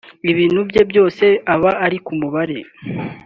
ibintu bye byose aba ari ku mibare